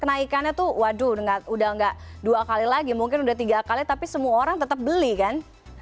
kenaikannya tuh waduh udah nggak dua kali lagi mungkin udah tiga kali tapi semua orang tetap beli kan